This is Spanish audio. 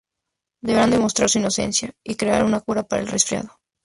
Deberán demostrar su inocencia y crear una cura para el resfriado.